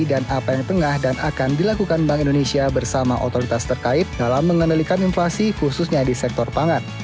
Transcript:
dan apa yang tengah dan akan dilakukan bank indonesia bersama otoritas terkait dalam mengendalikan inflasi khususnya di sektor pangan